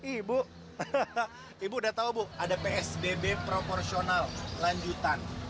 ibu ibu udah tahu bu ada psbb proporsional lanjutan